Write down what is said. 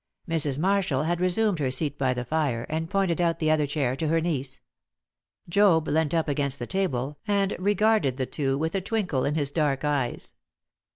Mrs. Marshall had resumed her seat by the fire, and pointed out the other chair to her niece. Job leant up against the table, and regarded the two with a twinkle in his dark eyes.